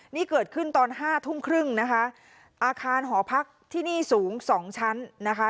นี่เกิดขึ้นตอนห้าทุ่มครึ่งนะคะอาคารหอพักที่นี่สูงสองชั้นนะคะ